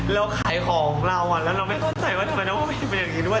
แล้วขายของเราอ่ะแล้วเราไม่เข้าใจว่าทำไมต้องเป็นแบบนี้ด้วย